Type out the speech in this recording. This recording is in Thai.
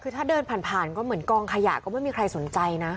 คือถ้าเดินผ่านก็เหมือนกองขยะก็ไม่มีใครสนใจนะ